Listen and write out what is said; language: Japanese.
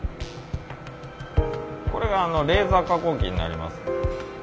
これがレーザー加工機になります。